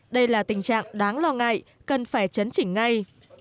đây là tình trạng đáng lo ngại cần phải chấn chỉnh ngay